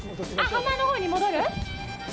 浜のほうに戻る？